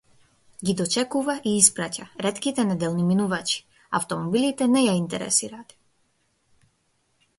Ги дочекува и испраќа ретките неделни минувачи, автомобилите не ја интересираат.